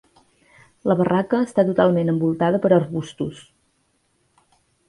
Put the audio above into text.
La barraca està totalment envoltada per arbustos.